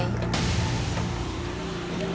wajahmu terlihat sungguh murung